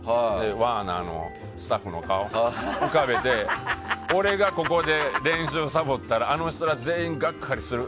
ワーナーのスタッフの顔を思い浮かべて俺がここで練習をさぼったらあの人たち全員がっかりする。